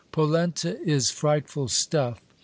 Polenta is frightful stuff.